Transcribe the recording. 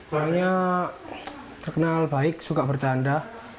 orangnya terkenal baik suka bercanda